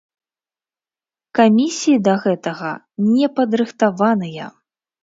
Камісіі да гэтага не падрыхтаваныя!